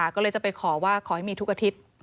ก็เลยจะไปขอว่าขอให้มีทุกอาทิตย์